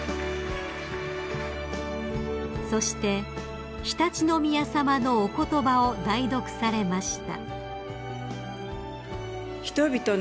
［そして常陸宮さまのお言葉を代読されました］